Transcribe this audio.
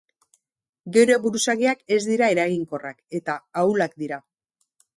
Gure buruzagiak ez dira eraginkorrak eta ahulak dira.